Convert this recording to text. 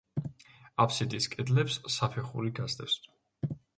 აფსიდის კედლებს საფეხური გასდევს.